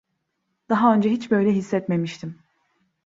Daha önce hiç böyle hissetmemiştim.